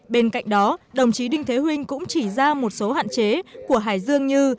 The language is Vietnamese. bên cạnh đó đồng chí đinh thế huynh cũng chỉ ra một số hạn chế của hải dương như